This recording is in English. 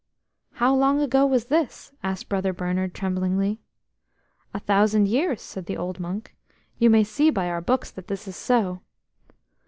"How long ago was this?" asked Brother Bernard tremblingly. THOUSAND years," said the old monk. "You may see by our books that this is so."